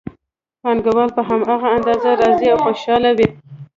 پانګوال په هماغه اندازه راضي او خوشحاله وي